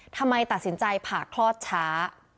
ทำไมตัดสินใจผ่าคลอดช้า